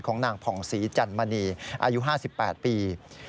นางผ่องศรีจันมณีอายุ๕๘ปี